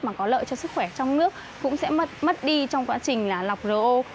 mà có lợi cho sức khỏe trong nước cũng sẽ mất đi trong quá trình là lọc ro